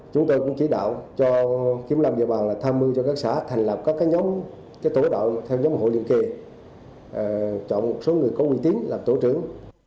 chúng tôi cũng chỉ đạo cho kiếm lâm địa bàn là tham mưu cho các xã thành lập các nhóm tổ đoạn theo nhóm hội liên kỳ chọn một số người có nguy tín làm tổ trưởng